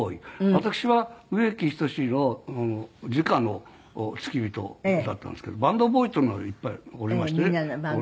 私は植木等のじかの付き人だったんですけどバンドボーイっていうのがいっぱいおりましてね。